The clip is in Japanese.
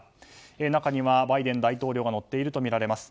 中には、バイデン大統領が乗っているとみられます。